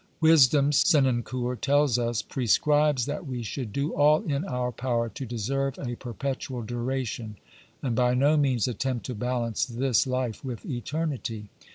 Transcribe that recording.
Wisdom," Senancour tells us, " prescribes that we should do all in our power to deserve a perpetual duration and by no means attempt to balance this life with eternity."